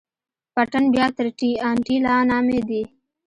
پټن بيا تر ټي ان ټي لا نامي دي.